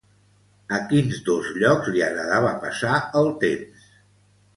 A quins dos llocs li agradava passar el temps?